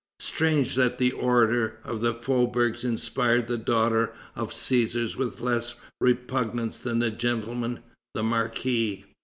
Strange that the orator of the faubourgs inspired the daughter of Cæsars with less repugnance than the gentleman, the marquis.